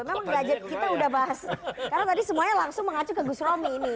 memang derajat kita udah bahas karena tadi semuanya langsung mengacu ke gus romi ini